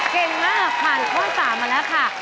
เก่งมากผ่านข้อ๓มาแล้วค่ะ